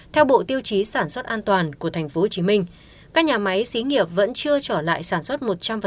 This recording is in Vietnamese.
theo bộ tiêu chí sản xuất an toàn của tp hcm các nhà máy xí nghiệp vẫn chưa trở lại sản xuất một trăm linh